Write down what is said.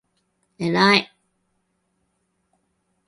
えらい